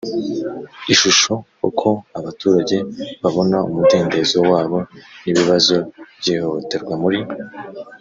Ishusho Uko abaturage babona umudendezo wabo n ibibazo by ihohoterwa muri